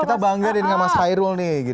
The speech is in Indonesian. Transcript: kita bangga dengan mas khairul nih